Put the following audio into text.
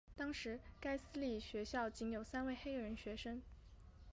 当时该私立学校仅有三位黑人学生。